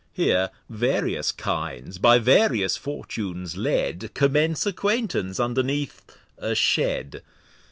Here various Kinds by various Fortunes led, Commence Acquaintance underneath a Shed.